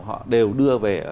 họ đều đưa về